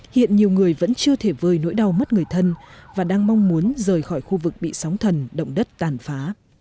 hiện nhiều người vẫn chưa thể vơi nỗi đau mất người thân và đang mong muốn rời khỏi khu vực bị sóng thần động đất tàn phá